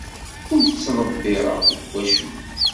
Ur ttḍebbireɣ deg wacemma.